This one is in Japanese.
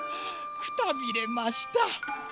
くたびれました。